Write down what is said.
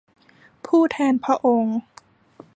ผู้แทนพระองค์